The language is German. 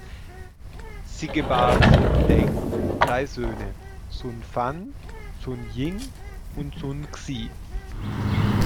Sie gebar Sun Deng drei Söhne: Sun Fan, Sun Ying und Sun Xi.